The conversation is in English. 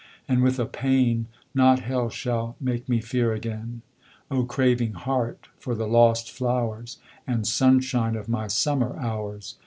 and with a pain Not Hell shall make me fear again O craving heart, for the lost flowers And sunshine of my summer hours!